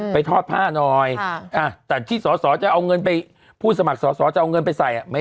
ไปทอดผ้าหน่อยอ้าวแต่ที่สหสอชาเอาเงินจิผู้สมัครสหสอชาอเจ้าเงินไปใส่